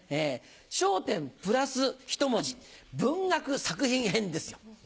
『笑点』プラスひと文字文学作品編ですよ。